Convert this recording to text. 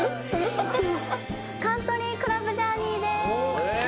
カントリークラブジャーニーです。